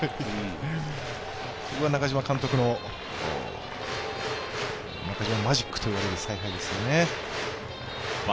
ここは中嶋監督の、中嶋マジックといわれる采配ですね。